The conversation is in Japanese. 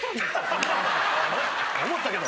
・思ったけど。